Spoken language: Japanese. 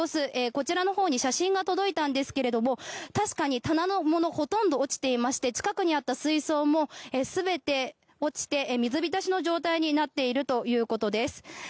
こちらのほうに写真が届いたんですが確かに棚のものほとんど落ちていまして近くにあった水槽も全て落ちて水浸しの状態になっているということです。